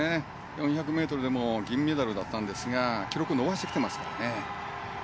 ４００ｍでも銀メダルだったんですが記録を伸ばしてきていますからね。